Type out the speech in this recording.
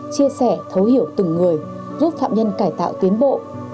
chia sẻ thấu hiểu từng người giúp phạm nhân cải tạo tiến bộ